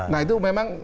nah itu memang